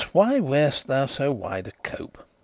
why wearest thou so wide a cope?